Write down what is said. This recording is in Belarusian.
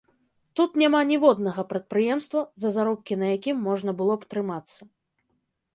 Тут няма ніводнага прадпрыемства, за заробкі на якім можна было б трымацца.